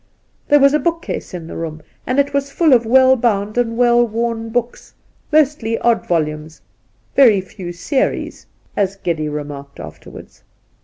There was a bookcase in the room, and it was full of well bound and well worn books, * mostly odd volumes — very few series,' as Geddy remarked afterwards.